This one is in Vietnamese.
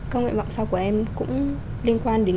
các nguyện vọng sau của em cũng liên quan đến